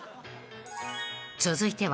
［続いては］